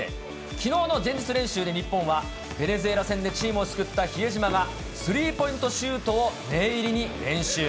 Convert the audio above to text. きのうの前日練習で日本は、ベネズエラ戦でチームを救った比江島が、スリーポイントシュートを念入りに練習。